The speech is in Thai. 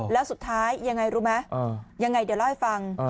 แล้วสุดท้ายยังไงรู้ไหมยังไงเดี๋ยวเล่าให้ฟัง